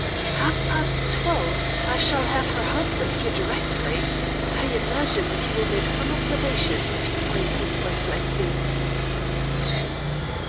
"Half past twelve! I shall have her husband here directly. I imagine that he will make some observations if he finds his wife like this."